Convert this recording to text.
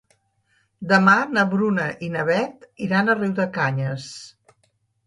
Demà na Bruna i na Beth iran a Riudecanyes.